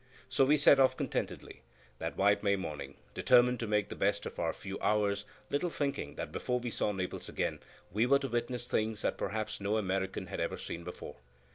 So we set off contentedly, that white May morning, determined to make the best of our few hours, little thinking that before we saw Naples again we were to witness things that perhaps no American had ever seen before.